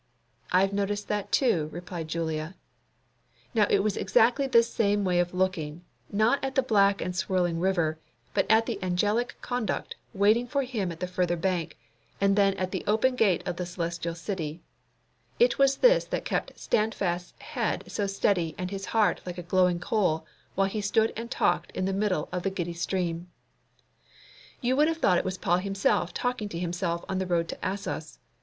"I have noticed that too," replied Julia. Now, it was exactly this same way of looking, not at the black and swirling river, but at the angelic conduct waiting for him at the further bank, and then at the open gate of the Celestial City, it was this that kept Standfast's head so steady and his heart like a glowing coal while he stood and talked in the middle of the giddy stream. You would have thought it was Paul himself talking to himself on the road to Assos.